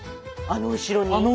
あの後ろに。